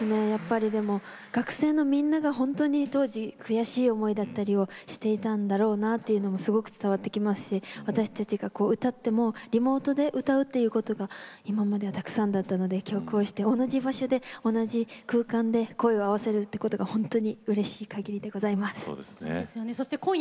学生のみんなが当時悔しい思いだったりしていたんだろうなと伝わってきましたし私たちが歌ってもリモートで歌うということが今まではたくさんだったので同じ場所で同じ空間で声を合わせることがうれしいかぎりでございます。